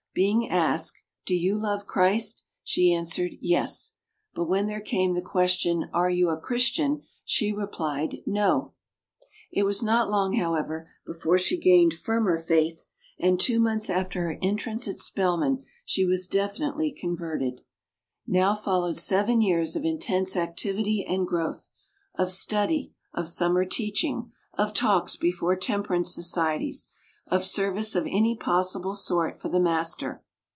Being asked, "Do you love Christ?" she an swered "Yes"; but when there came the question, "Are you a Christian?" she replied "No." It was not long, however, before she gained firmer faith, and two months after her entrance at Spelman she was definitely converted. Now followed seven years of intense activity and growth of study, of summer teaching, of talks before temper ance societies, of service of any possible sort for the Master.